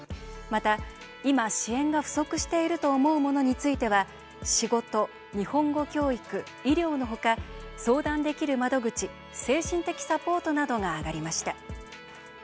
また、今「支援が不足していると思うもの」については仕事、日本語教育、医療の他相談できる窓口精神的サポートなどが挙がりました。